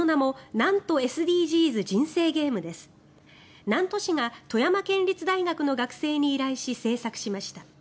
南砺市が富山県立大学の学生に依頼し制作しました。